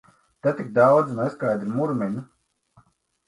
Te tik daudzi neskaidri murmina!